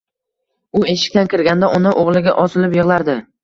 U eshikdan kirganda ona o‘g‘liga osilib yig‘lardi.